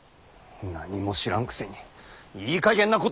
何も知らんくせにいいかげんなことを！